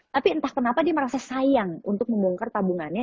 tapi entah kenapa dia merasa sayang untuk membongkar tabungannya